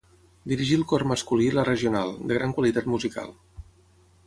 Dirigí el cor masculí La Regional, de gran qualitat musical.